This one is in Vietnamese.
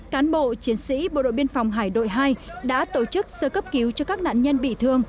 cán bộ chiến sĩ bộ đội biên phòng hải đội hai đã tổ chức sơ cấp cứu cho các nạn nhân bị thương